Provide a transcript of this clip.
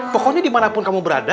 pokoknya dimanapun kamu berada